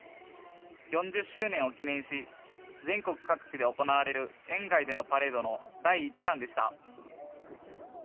４０周年を記念し全国各地で行われる園外でのパレードの第１弾でした。